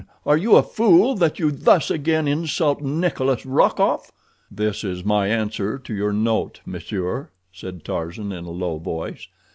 Are you a fool that you thus again insult Nikolas Rokoff?" "This is my answer to your note, monsieur," said Tarzan, in a low voice.